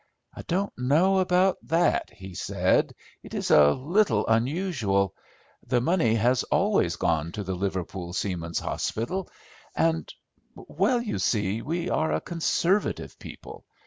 "I don't know about that," he said; "it is a little unusual. The money has always gone to the Liverpool Seamen's Hospital, and—well, you see, we are a conservative people.